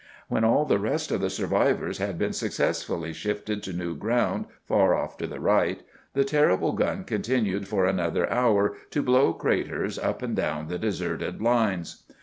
When all the rest of the survivors had been successfully shifted to new ground, far off to the right, the terrible gun continued for another hour to blow craters up and down the deserted lines.